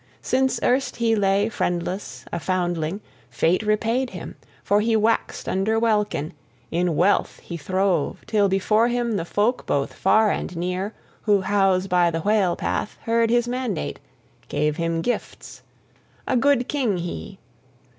Since erst he lay friendless, a foundling, fate repaid him: for he waxed under welkin, in wealth he throve, till before him the folk, both far and near, who house by the whale path, heard his mandate, gave him gifts: a good king he!